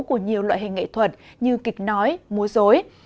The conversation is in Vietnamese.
của nhiều loại hình nghệ thuật như kịch nói dối